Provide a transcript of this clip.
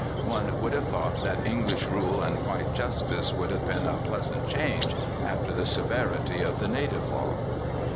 One would have thought that English rule and white justice would have been a pleasant change after the severity of the native law.